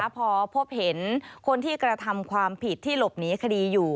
พอพบเห็นคนที่กระทำความผิดที่หลบหนีคดีอยู่